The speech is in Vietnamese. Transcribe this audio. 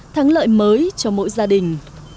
thắng lợi mới cho mỗi gia đình